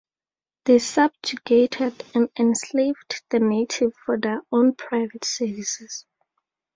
They subjugated and enslaved the natives for their own private services.